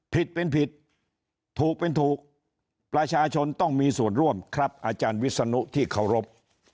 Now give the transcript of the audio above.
ผิดเป็นผิดถูกเป็นถูกประชาชนต้องมีส่วนร่วมครับอาจารย์วิศนุที่เคารพ